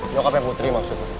nyokap yang putri maksudnya